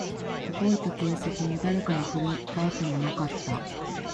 動いた形跡も、誰かが触れた跡もなかった